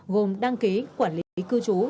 gồm đăng ký quản lý cư chú